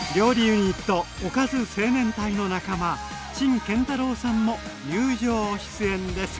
ユニットおかず青年隊の仲間陳建太郎さんも友情出演です！